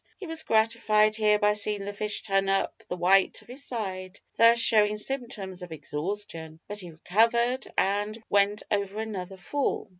He was gratified here by seeing the fish turn up the white of his side thus showing symptoms of exhaustion. But he recovered, and went over another fall.